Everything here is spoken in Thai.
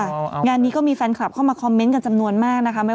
งานนี้ก็มีแฟนคลับเข้ามาคอมเมนต์กันจำนวนมากนะคะ